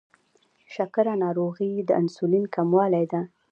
شکره ناروغي د انسولین کموالي ده.